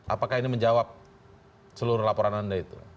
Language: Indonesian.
apakah ini menjawab seluruh laporan anda itu